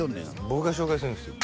僕が紹介するんですよ